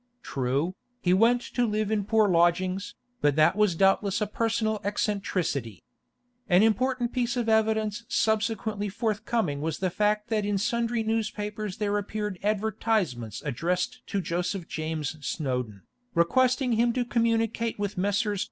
True, he went to live in poor lodgings, but that was doubtless a personal eccentricity. An important piece of evidence subsequently forthcoming was the fact that in sundry newspapers there appeared advertisements addressed to Joseph James Snowdon, requesting him to communicate with Messrs.